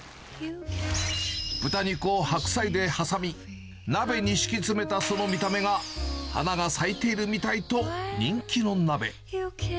豚肉を白菜で挟み、鍋に敷き詰めたその見た目が、花が咲いているみたいと人気の鍋。